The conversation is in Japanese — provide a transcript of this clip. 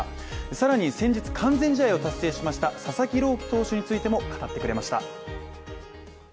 さらに先日完全試合を達成しました佐々木朗希投手についても語ってくれました。